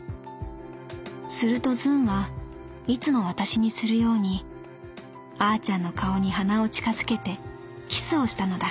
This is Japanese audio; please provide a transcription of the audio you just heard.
するとズンはいつも私にするようにあーちゃんの顔に鼻を近づけてキスをしたのだ」。